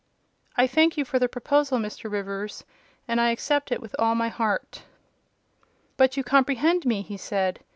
"I thank you for the proposal, Mr. Rivers, and I accept it with all my heart." "But you comprehend me?" he said.